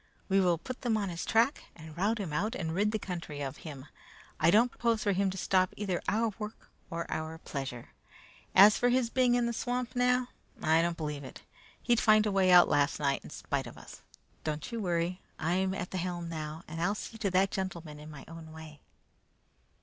We will put them on his track, and rout him out and rid the country of him. I don't propose for him to stop either our work or our pleasure. As for his being in the swamp now, I don't believe it. He'd find a way out last night, in spite of us. Don't you worry! I am at the helm now, and I'll see to that gentleman in my own way."